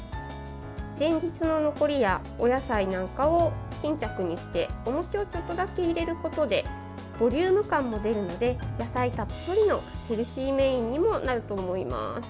前日の残りやお野菜なんかを巾着にしておもちをちょっとだけ入れることでボリューム感も出るので野菜たっぷりのヘルシーメニューにもなると思います。